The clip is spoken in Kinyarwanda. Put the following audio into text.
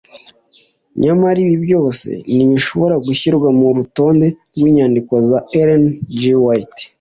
nyamara ibi byose ntibishobora gushyirwa mu Rutonde rw’Inyandiko za Ellen G. White